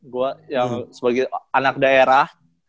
gue yang sebagai anak daerah